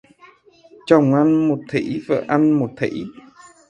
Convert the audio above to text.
Chồng ăn một thỉ, vợ ăn một thỉ